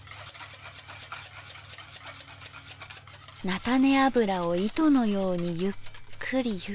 菜種油を糸のようにゆっくりゆっくり。